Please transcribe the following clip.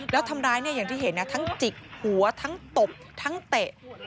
แล้วทำร้ายเนี่ยอย่างที่เห็นทั้งจิกหัวทั้งตบทั้งเตะ